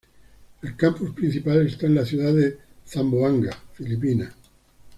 El campus principal está en la ciudad de Zamboanga, Filipinas.